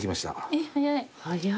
えっ早い。